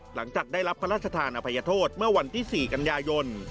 หลังจากได้รับพระราชทานอภัยโทษเมื่อวันที่๔กันยายน